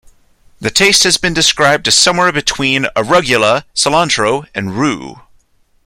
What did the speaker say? The taste has been described as somewhere between arugula, cilantro and rue.